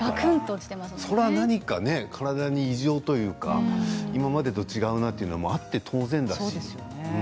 それは体に異常というか今までと違うということはあって当然ですしね。